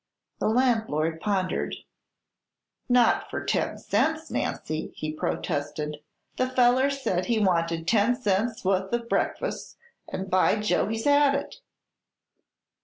The landlord pondered. "Not fer ten cents, Nancy," he protested. "The feller said he wanted ten cents wuth o' breakfas', an' by Joe he's had it."